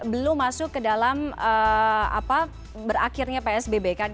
belum masuk ke dalam berakhirnya psbb kan